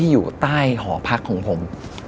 อยู่ใต้หอพักของผม